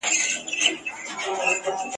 له قضا پر یوه کلي برابر سو !.